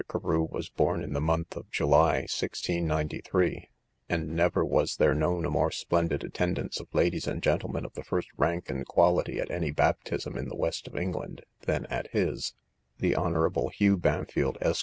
Carew was born in the month of July 1693; and never was there known a more splendid attendance of ladies and gentlemen of the first rank and quality at any baptism in the west of England, than at his: the Hon. Hugh Bampfylde, Esq.